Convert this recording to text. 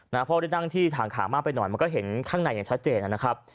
เพราะได้นั่งที่ทางขามากไปหน่อยมันก็เห็นข้างในอย่างชัดเจนนะครับ